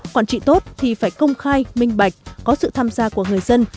quản trị tốt thì phải công khai minh bạch có sự tham gia của người dân